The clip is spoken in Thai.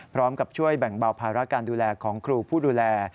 พร้อมกับช่วยแบ่งเบาภาระการดูแลของครูผู้ดูแล